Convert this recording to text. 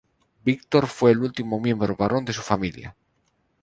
Víctor fue el último miembro varón de su familia.